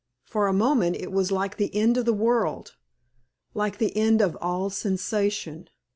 For a moment it was like the end of the world like the end of all sensation.